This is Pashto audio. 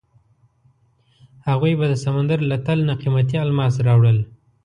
هغوی به د سمندر له تل نه قیمتي الماس راوړل.